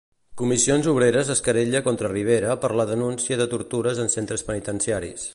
Comissions Obreres es querella contra Rivera per la denúncia de tortures en centres penitenciaris.